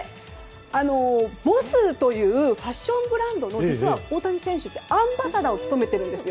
ＢＯＳＳというファッションブランドの実は大谷選手ってアンバサダーを務めているんですよ。